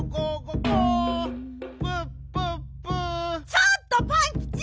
ちょっとパンキチ！